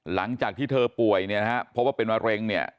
หลังจากที่เธอป่วยเนี่ยนะฮะเพราะว่าเป็นมะเร็งเนี่ย